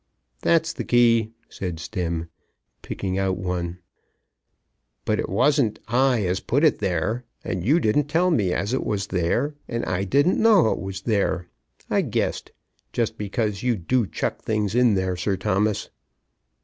"That's the key," said Stemm, picking out one; "but it wasn't I as put it there; and you didn't tell me as it was there, and I didn't know it was there. I guessed, just because you do chuck things in there, Sir Thomas."